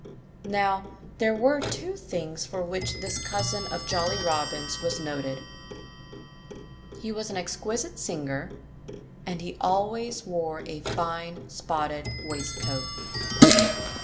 Now, there were two things for which this cousin of Jolly Robin's was noted. He was an exquisite singer; and he always wore a fine, spotted waistcoat.